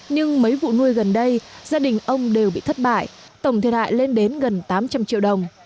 nhưng mấy vụ nuôi gần đây gia đình ông đều bị thất bại tổng thiệt hại lên đến gần tám trăm linh triệu đồng